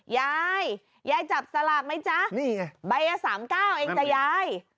ยายยายจับสลักไหมจ๊ะใบ๓๙เองจ้ะยายนี่นั่นมันเป็น